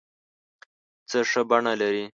څه ښه بڼه لرې